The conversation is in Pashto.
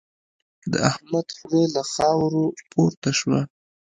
د احمد خوله له خاورو پورته شوه.